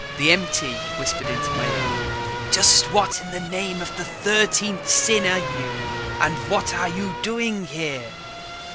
The MT whispered into my ear, "Just what in the name of the thirteenth sin are you and what are you doing here?"